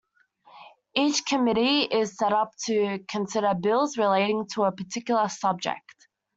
Each committee is set up to consider bills relating to a particular subject.